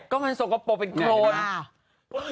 ก็มันสกปรกเป็นโครน